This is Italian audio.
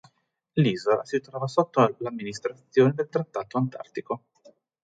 L'isola si trova sotto l'amministrazione del trattato Antartico.